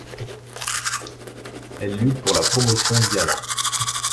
Elle lutte pour la promotion Diana.